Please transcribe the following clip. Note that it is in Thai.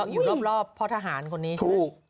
อยู่รอบพ่อทหารคนนี้ใช่ไหม